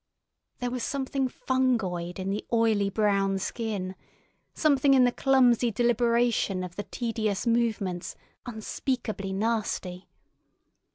There was something fungoid in the oily brown skin, something in the clumsy deliberation of the tedious movements unspeakably nasty.